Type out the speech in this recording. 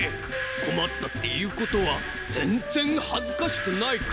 こまったっていうことはぜんぜんはずかしくないクマ。